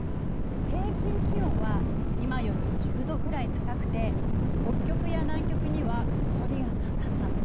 平均気温は今より１０度くらい高くて北極や南極には氷がなかったの。